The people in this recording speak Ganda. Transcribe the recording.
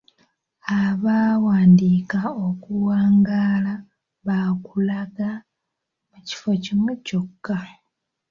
Abaawandiika okuwangaala baakulaga mu kifo kimu kyokka.